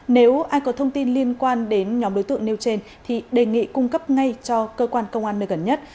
nếu ai có thông tin liên quan đến nhóm đối tượng nêu trên thì đề nghị cung cấp ngay cho cơ quan công an nơi gần nhất